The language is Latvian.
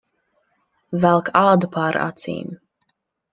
Velk ādu pār acīm.